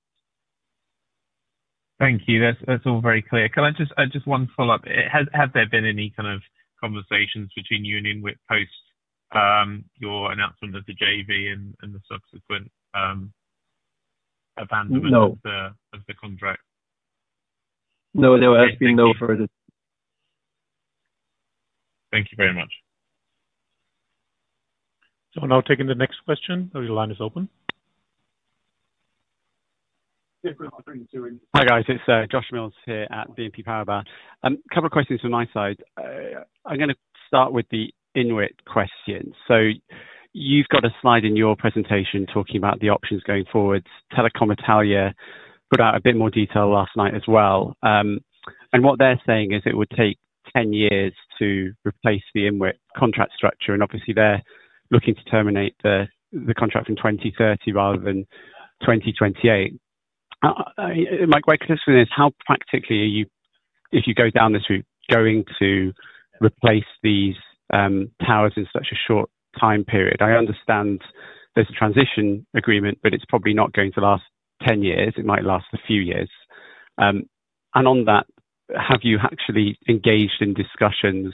Thank you. That's all very clear. Just one follow-up. Has there been any kind of conversations between you and Inwit post, your announcement of the JV and the subsequent abandonment? No. -of the contract? No, there has been no further. Thank you very much. Now taking the next question. Your line is open. Hi, guys. It's Josh Mills here at BNP Paribas. A couple of questions from my side. I'm gonna start with the Inwit question. You've got a slide in your presentation talking about the options going forward. Telecom Italia put out a bit more detail last night as well. What they're saying is it would take 10 years to replace the Inwit contract structure, and obviously they're looking to terminate the contract in 2030 rather than 2028. My question is how practically are you, if you go down this route, going to replace these towers in such a short time period? I understand there's a transition agreement, but it's probably not going to last 10 years. It might last a few years. On that, have you actually engaged in discussions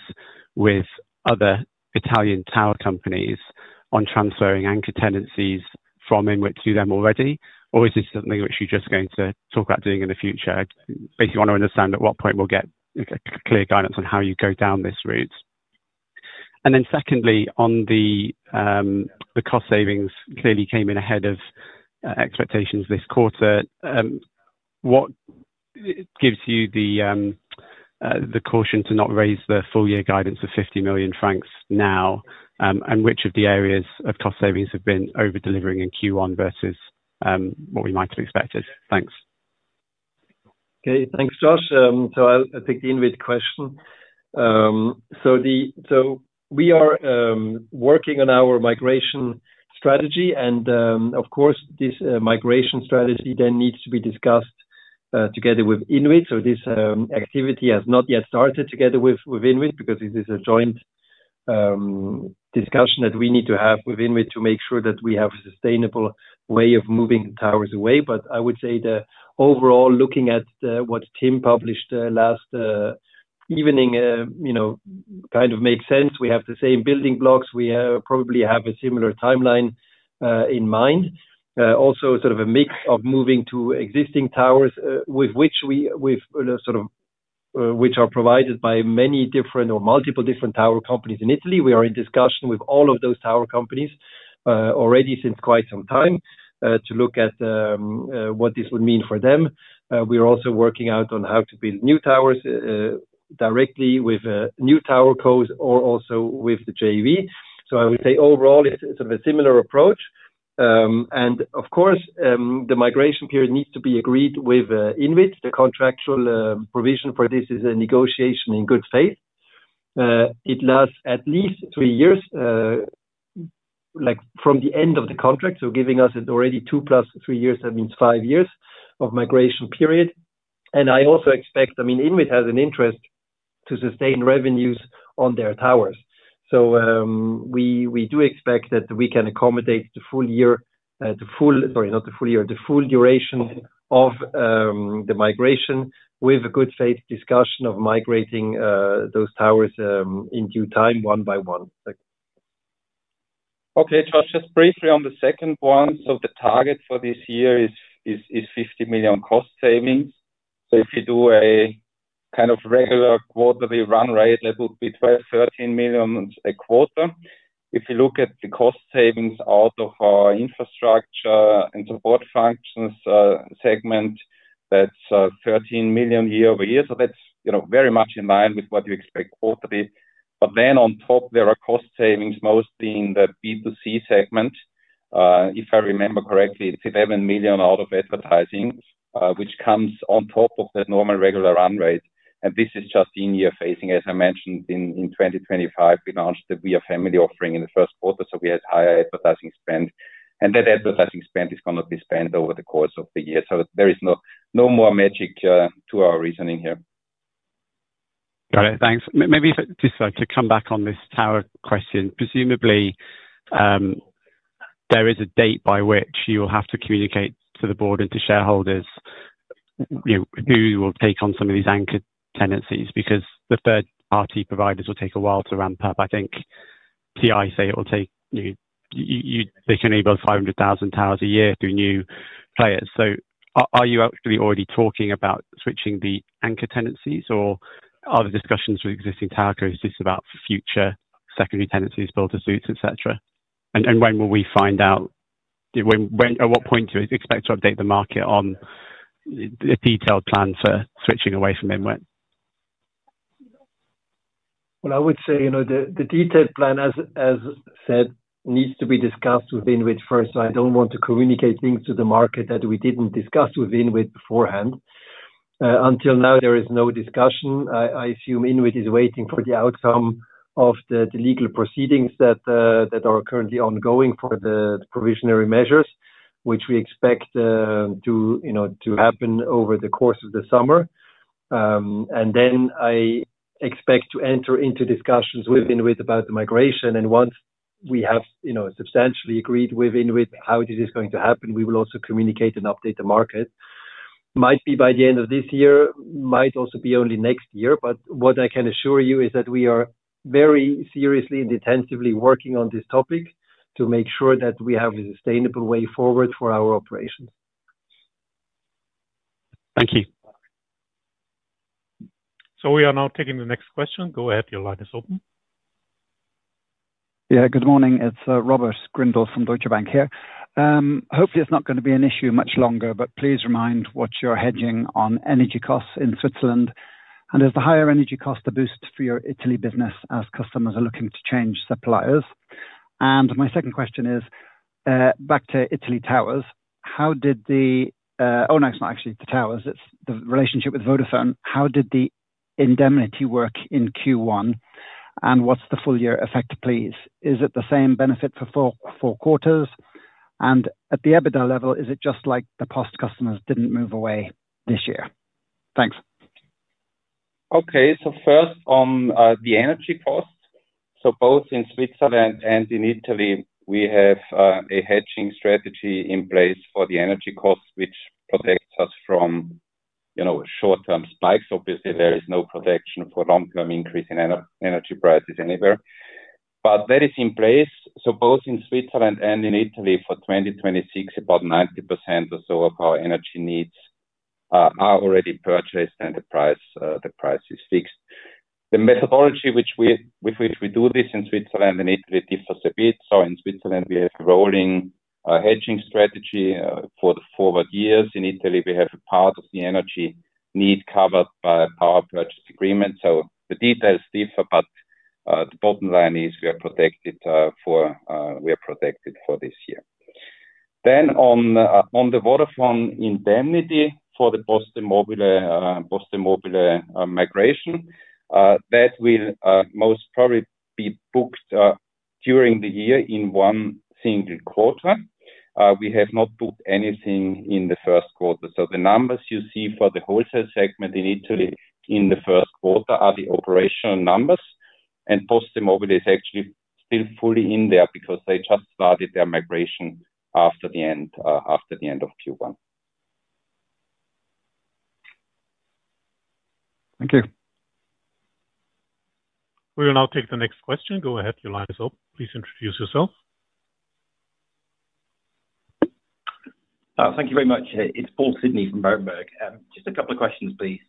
with other Italian tower companies on transferring anchor tenancies from Inwit to them already? Or is this something which you're just going to talk about doing in the future? Basically want to understand at what point we'll get clear guidance on how you go down this route. Secondly, on the cost savings clearly came in ahead of expectations this quarter. What gives you the caution to not raise the full- year guidance of 50 million francs now? Which of the areas of cost savings have been over-delivering in Q1 versus what we might have expected? Thanks. Okay. Thanks, Josh. I'll take the Inwit question. We are working on our migration strategy and, of course, this migration strategy needs to be discussed together with Inwit. This activity has not yet started together with Inwit because it is a joint discussion that we need to have with Inwit to make sure that we have a sustainable way of moving towers away. I would say that overall, looking at what TIM published last evening, you know, kind of made sense. We have the same building blocks. We probably have a similar timeline in mind. Also sort of a mix of moving to existing towers, which are provided by many different or multiple different tower companies in Italy. We are in discussion with all of those tower companies already since quite some time to look at what this would mean for them. We are also working out on how to build new towers directly with new tower cos or also with the JV. I would say overall, it's sort of a similar approach. Of course, the migration period needs to be agreed with Inwit. The contractual provision for this is a negotiation in good faith. It lasts at least three years, like from the end of the contract, giving us it already two plus three years, that means five years of migration period. I mean, Inwit has an interest to sustain revenues on their towers. We do expect that we can accommodate the full- year, the full duration of the migration with a good faith discussion of migrating those towers in due time, one by one. Thanks. Okay, Josh, just briefly on the second one. The target for this year is 50 million cost savings. If you do a kind of regular quarterly run rate, that would be 12, 13 million a quarter. If you look at the cost savings out of our infrastructure and support functions segment, that's 13 million year-over-year. That's, you know, very much in line with what you expect quarterly. On top, there are cost savings, mostly in the B2C segment. If I remember correctly, it's 11 million out of advertising, which comes on top of the normal regular run rate. This is just in-year phasing. As I mentioned in 2025, we launched the We Are Family offering in the first quarter, so we had higher advertising spend. That advertising spend is gonna be spent over the course of the year. There is no more magic to our reasoning here. Got it. Thanks. Maybe if-- Just to come back on this tower question. Presumably, there is a date by which you will have to communicate to the board and to shareholders, you know, who will take on some of these anchor tenancies because the third-party providers will take a while to ramp up. I think TIM say it will take, you-- they can enable 500,000 towers a year through new players. Are you actually already talking about switching the anchor tenancies, or are the discussions with existing tower companies just about future secondary tenancies, build-to-suits, et cetera? When will we find out-- When-- At what point do you expect to update the market on the detailed plan for switching away from Inwit? I would say, you know, the detailed plan, as said, needs to be discussed with Inwit first. I don't want to communicate things to the market that we didn't discuss with Inwit beforehand. Until now, there is no discussion. I assume Inwit is waiting for the outcome of the legal proceedings that are currently ongoing for the provisionary measures, which we expect, you know, to happen over the course of the summer. I expect to enter into discussions with Inwit about the migration, and once we have, you know, substantially agreed with Inwit how this is going to happen, we will also communicate and update the market. Might be by the end of this year, might also be only next year. What I can assure you is that we are very seriously and intensively working on this topic to make sure that we have a sustainable way forward for our operations. Thank you. We are now taking the next question. Yeah, good morning. It's Robert Grindle from Deutsche Bank here. Hopefully it's not gonna be an issue much longer, please remind what you're hedging on energy costs in Switzerland. Is the higher energy cost a boost for your Italy business as customers are looking to change suppliers? My second question is back to Italy Towers. How did the Oh, no, it's not actually the towers, it's the relationship with Vodafone. How did the indemnity work in Q1, what's the full -year effect, please? Is it the same benefit for four quarters? At the EBITDA level, is it just like the past customers didn't move away this year? Thanks. Okay. First on the energy cost. Both in Switzerland and in Italy, we have a hedging strategy in place for the energy costs, which protects us from, you know, short-term spikes. Obviously, there is no protection for long-term increase in energy prices anywhere. That is in place. Both in Switzerland and in Italy for 2026, about 90% or so of our energy needs are already purchased and the price, the price is fixed. The methodology which we, with which we do this in Switzerland and Italy differs a bit. In Switzerland, we have a rolling hedging strategy for the forward years. In Italy, we have a part of the energy need covered by a power purchase agreement. The details differ, but the bottom line is we are protected for this year. On the Vodafone indemnity for the PosteMobile migration, that will most probably be booked during the year in one single quarter. We have not booked anything in the first quarter. The numbers you see for the wholesale segment in Italy in the first quarter are the operational numbers. PosteMobile is actually still fully in there because they just started their migration after the end of Q1. Thank you. We will now take the next question. Go ahead. Your line is open. Please introduce yourself. Thank you very much. It's Paul Sidney from Berenberg. Just a couple of questions, please.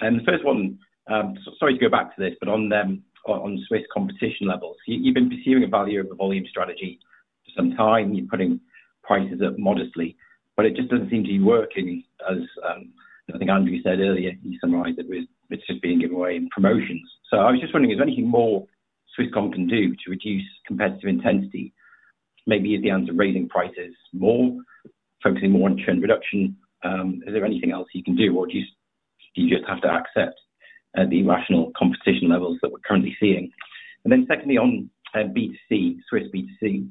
The first one, to go back to this, but on Swiss competition levels. You've been pursuing a value over volume strategy for some time. You're putting prices up modestly, but it just doesn't seem to be working as I think Andrew said earlier, he summarized it with it's just being given away in promotions. I was just wondering, is there anything more Swisscom can do to reduce competitive intensity? Maybe at the ends of raising prices more, focusing more on churn reduction. Is there anything else you can do? Do you just have to accept the rational competition levels that we're currently seeing? Secondly, on B2C, Swiss B2C,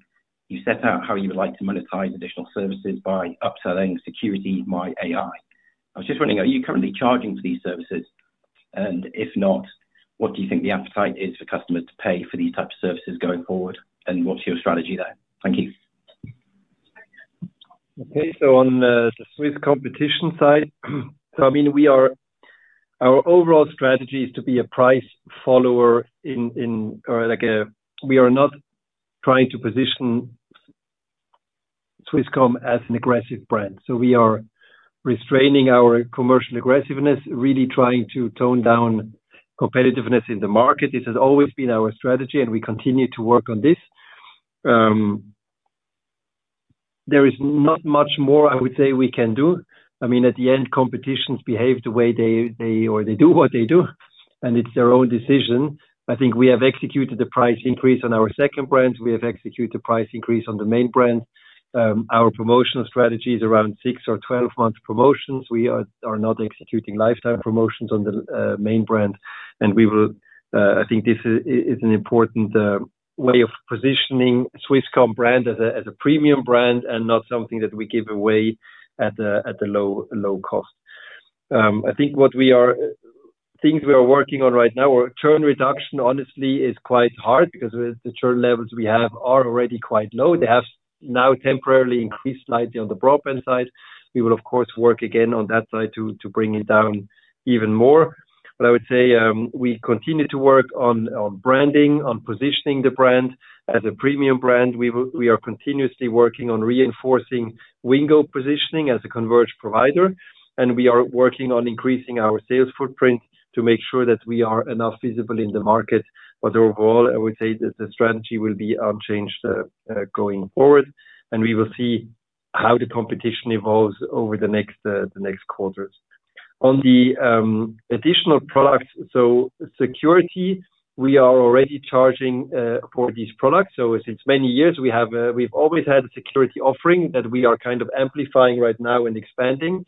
you set out how you would like to monetize additional services by upselling security myAI. I was just wondering, are you currently charging for these services? If not, what do you think the appetite is for customers to pay for these types of services going forward, and what's your strategy there? Thank you. On the Swiss competition side, I mean, our overall strategy is to be a price follower in or like, we are not trying to position Swisscom as an aggressive brand. We are restraining our commercial aggressiveness, really trying to tone down competitiveness in the market. This has always been our strategy, and we continue to work on this. There is not much more I would say we can do. I mean, at the end, competitions behave the way they or they do what they do, and it's their own decision. I think we have executed the price increase on our second brand. We have executed price increase on the main brand. Our promotional strategy is around six or 12 months promotions. We are not executing lifetime promotions on the main brand. We will, I think this is an important way of positioning Swisscom brand as a premium brand and not something that we give away at a low cost. I think things we are working on right now are churn reduction, honestly, is quite hard because with the churn levels we have are already quite low. They have now temporarily increased slightly on the broadband side. We will of course work again on that side to bring it down even more. I would say, we continue to work on branding, on positioning the brand as a premium brand. We are continuously working on reinforcing Wingo positioning as a converged provider, and we are working on increasing our sales footprint to make sure that we are enough visible in the market. Overall, I would say that the strategy will be unchanged, going forward, and we will see how the competition evolves over the next, the next quarters. On the additional products, so security, we are already charging for these products. Since many years, we have, we've always had a security offering that we are kind of amplifying right now and expanding.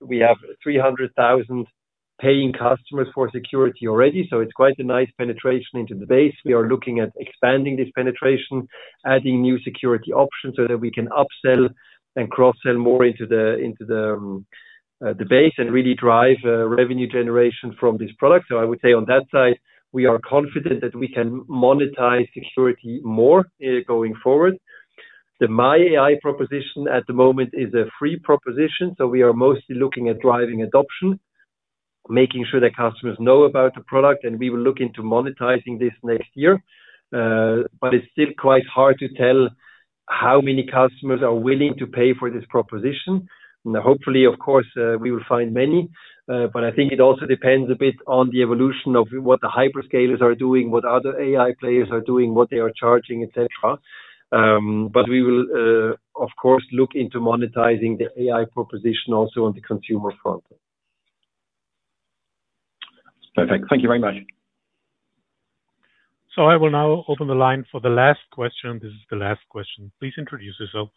We have 300,000 paying customers for security already. It's quite a nice penetration into the base. We are looking at expanding this penetration, adding new security options so that we can upsell and cross-sell more into the, into the base and really drive revenue generation from this product. I would say on that side, we are confident that we can monetize security more, going forward. The myAI proposition at the moment is a free proposition, we are mostly looking at driving adoption, making sure that customers know about the product, and we will look into monetizing this next year. It's still quite hard to tell how many customers are willing to pay for this proposition. Hopefully, of course, we will find many. I think it also depends a bit on the evolution of what the hyperscalers are doing, what other AI players are doing, what they are charging, et cetera. We will, of course, look into monetizing the AI proposition also on the consumer front. Perfect. Thank you very much. I will now open the line for the last question. This is the last question. Please introduce yourself.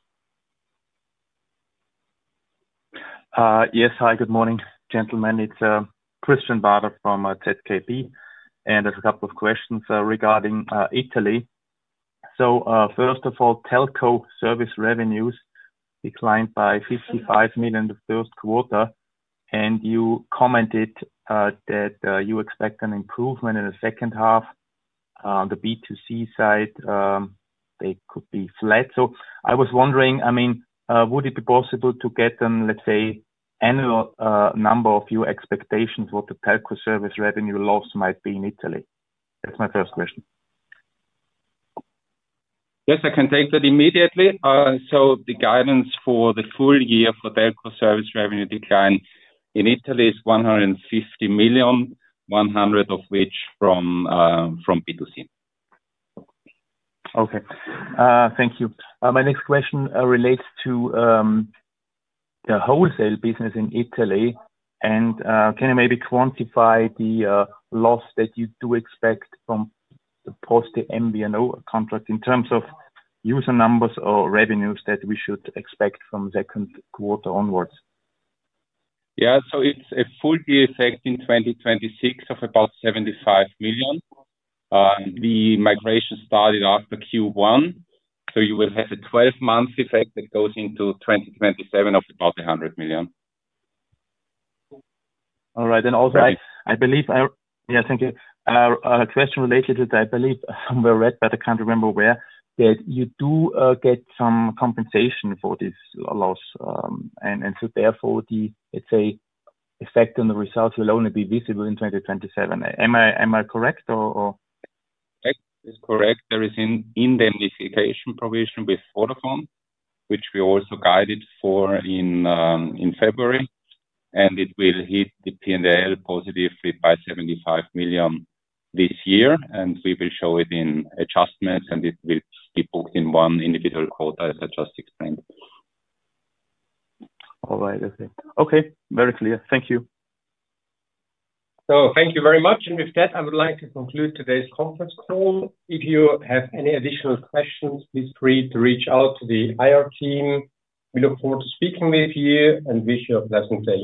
Yes. Hi, good morning, gentlemen. It's Christian Bader from ZKB. There's a couple of questions regarding Italy. First of all, telco service revenues declined by 55 million the first quarter, and you commented that you expect an improvement in the second half. The B2C side, they could be flat. I was wondering, I mean, would it be possible to get an, let's say, annual number of your expectations what the telco service revenue loss might be in Italy? That's my first question. Yes, I can take that immediately. The guidance for the full- year for telco service revenue decline in Italy is 150 million, 100 of which from B2C. Okay. Thank you. My next question relates to the wholesale business in Italy. Can you maybe quantify the loss that you do expect from the Poste Mobile contract in terms of user numbers or revenues that we should expect from second quarter onwards? It's a full year- effect in 2026 of about 75 million. The migration started after Q1. You will have a 12-month effect that goes into 2027 of about 100 million. All right. Sorry. Yeah, thank you. A question related to that, I believe I somewhere read, but I can't remember where, that you do get some compensation for this loss. Therefore, the, let's say, effect on the results will only be visible in 2027. Am I correct or? That is correct. There is indemnification provision with Vodafone, which we also guided for in February, and it will hit the P&L positively by 75 million this year, and we will show it in adjustments, and it will be booked in one individual quarter as I just explained. All right. That's it. Okay. Very clear. Thank you. Thank you very much. With that, I would like to conclude today's conference call. If you have any additional questions, please free to reach out to the IR team. We look forward to speaking with you and wish you a pleasant day.